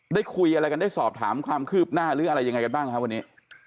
ได้คุยอะไรกันได้สอบถามความคืบหน้าหรืออะไรยังไงกันบ้างครับวันนี้